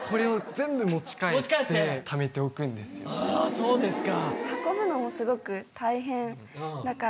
そうですか！